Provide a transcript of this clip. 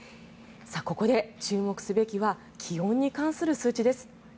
ここで注目すべきは気温に関する数値です。